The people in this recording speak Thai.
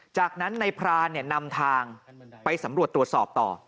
จากนั้นนายพรานนำทางไปสำรวจตรวจสอบต่อ